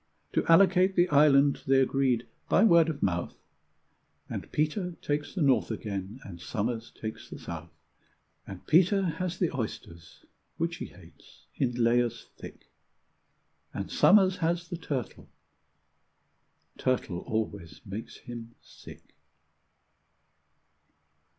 To allocate the island they agreed by word of mouth, And Peter takes the north again, and Somers takes the south; And Peter has the oysters, which he hates, in layers thick, And Somers has the turtle turtle always makes him sick.